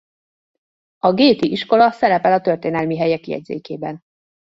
A gate-i iskola szerepel a történelmi helyek jegyzékében.